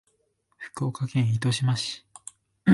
福岡県糸島市